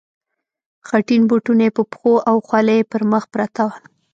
خټین بوټونه یې په پښو او خولۍ یې پر مخ پرته وه.